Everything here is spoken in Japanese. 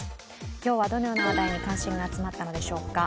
今日はどのような話題に関心が集まったのでしょうか。